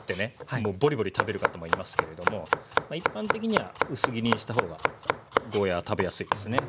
もうボリボリ食べる方もいますけれども一般的には薄切りにした方がゴーヤーは食べやすいですね。